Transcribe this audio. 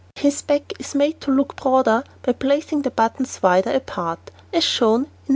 His back is made to look broader by placing the buttons wider apart, as shown in No.